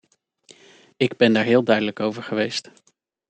Ik ben daar heel duidelijk over geweest.